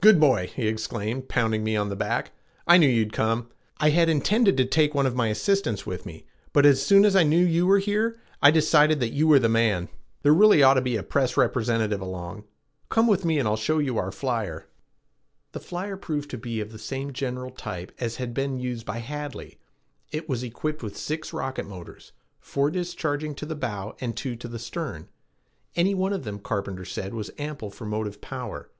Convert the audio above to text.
"Good boy!" he exclaimed, pounding me on the back. "I knew you'd come. I had intended to take one of my assistants with me, but as soon as I knew you were here I decided that you were the man. There really ought to be a press representative along. Come with me and I'll show you our flyer." The flyer proved to be of the same general type as had been used by Hadley. It was equipped with six rocket motors, four discharging to the bow and two to the stern. Any one of them, Carpenter said, was ample for motive power.